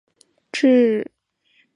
治所在西都县。